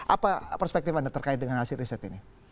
apa perspektif anda terkait dengan hasil riset ini